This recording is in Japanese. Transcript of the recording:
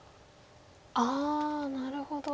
ああなるほど。